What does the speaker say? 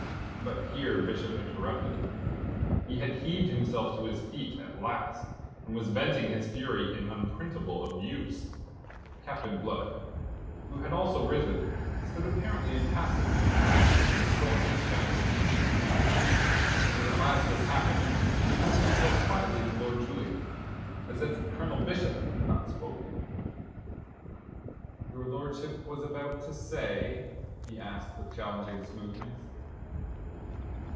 But here Bishop interrupted him. He had heaved himself to his feet, at last, and was venting his fury in unprintable abuse. Captain Blood, who had also risen, stood apparently impassive, for the storm to spend itself. When at last this happened, he addressed himself quietly to Lord Julian, as if Colonel Bishop had not spoken. "Your lordship was about to say?" he asked, with challenging smoothness.